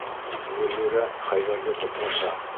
Гөллирә Хәйҙәрҙе туҡмаша.